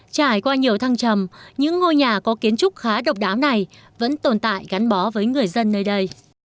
trải qua nhiều thăng trầm những ngôi nhà có kiến trúc khá độc đáo này vẫn tồn tại gắn bó với người dân nơi đây